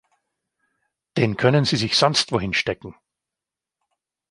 Den können Sie sich sonst wohin stecken!